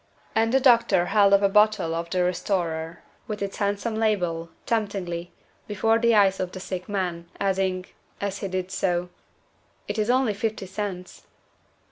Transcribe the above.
And the doctor held up a bottle of the Restorer, with its handsome label, temptingly, before the eyes of the sick man, adding, as he did so "It is only fifty cents."